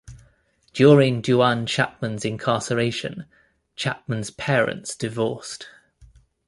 During Duane Chapman's incarceration, Chapman's parents divorced.